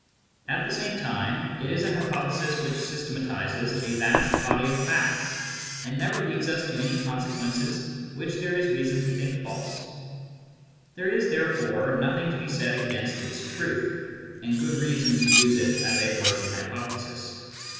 At the same time, it is a hypothesis which systematises a vast body of facts and never leads to any consequences which there is reason to think false. There is therefore nothing to be said against its truth, and good reason to use it as a working hypothesis.